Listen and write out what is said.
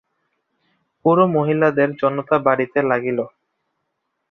পুরমহিলাদের জনতা বাড়িতে লাগিল।